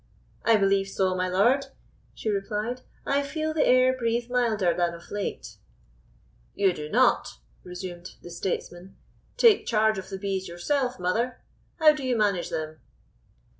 "I believe so, my lord," she replied; "I feel the air breathe milder than of late." "You do not," resumed the statesman, "take charge of these bees yourself, mother? How do you manage them?"